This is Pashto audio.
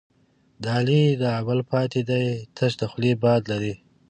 د علي نه عمل پاتې دی، تش د خولې باد لري.